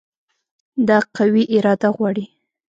دا قوي اراده غواړي.